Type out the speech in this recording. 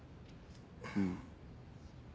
うん。